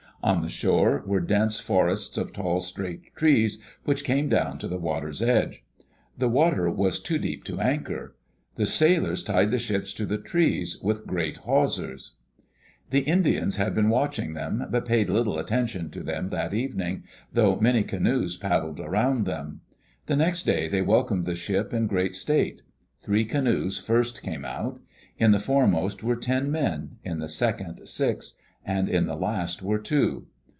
On the shore were dense forests of tall straight trees which came down to the water's edge. The water was too deep to anchor. The sailors tied the ships to the trees with great hawsers. Digitized by CjOOQ IC EARLY DAYS IN OLD OREGON The Indians had been watching them, but paid little attention to them that evening, though many canoes pad dled around them. The next day they welcomed the ship in great state. Three canoes first came out. In the fore most were ten men, in the second six, and in the last were two.